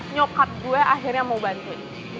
nyokap gue akhirnya mau bantuin